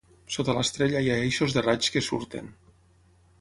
Sota l'estrella hi ha eixos de raigs que surten.